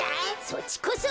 そっちこそ！